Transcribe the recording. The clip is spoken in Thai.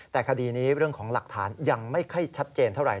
แต่คดีนี้เรื่องของหลักฐานยังไม่ค่อยชัดเจนเท่าไห